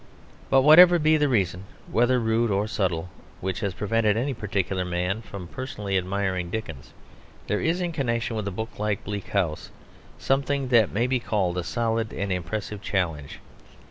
But whatever be the reason, whether rude or subtle, which has prevented any particular man from personally admiring Dickens, there is in connection with a book like Bleak House something that may be called a solid and impressive challenge.